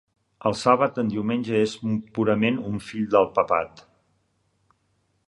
El sàbat en diumenge és purament un fill del papat.